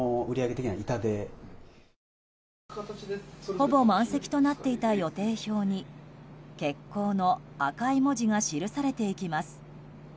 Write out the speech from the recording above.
ほぼ満席となっていた予定表に「欠航」の赤い文字が記されていきます。